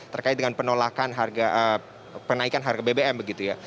terkait dengan penolakan penaikan harga bbm begitu ya